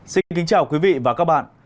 xin kính chào quý vị và các bạn